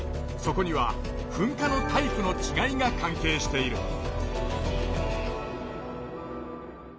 そこには噴火のタイプのちがいが関係している。